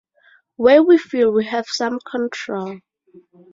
Where we feel we have some control.